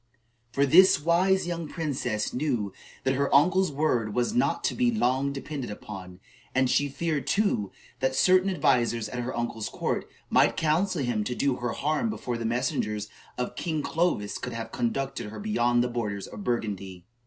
For this wise young princess knew that her uncle's word was not to be long depended upon, and she feared, too, that certain advisers at her uncle's court might counsel him to do her harm before the messengers of King Clovis could have conducted her beyond the borders of Burgundy.